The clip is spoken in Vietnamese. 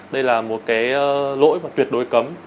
đây là một cái lỗi mà tuyệt đối cấm